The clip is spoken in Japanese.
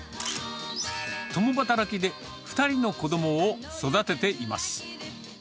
共働きで２人の子どもを育てています。